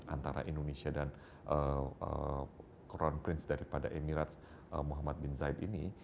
antara indonesia dan crown prince daripada emirates muhammad bin zaid ini